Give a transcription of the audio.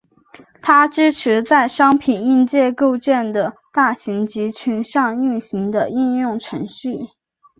它支持在商品硬件构建的大型集群上运行的应用程序。